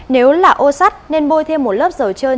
nếu là ô sắt nên bôi thêm một lớp dầu trơn